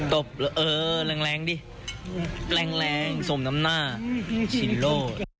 ตบเออแรงดิแรงสมดำหน้าชิลโล